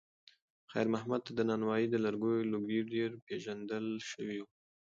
خیر محمد ته د نانوایۍ د لرګیو لوګی ډېر پیژندل شوی و.